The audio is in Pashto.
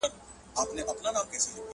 زما ژوندون د ده له لاسه په عذاب دی!.